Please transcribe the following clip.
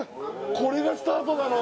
これがスタートなの！？